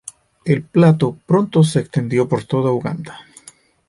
El plato pronto se extendió por toda Uganda.